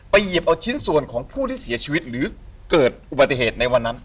หยิบเอาชิ้นส่วนของผู้ที่เสียชีวิตหรือเกิดอุบัติเหตุในวันนั้น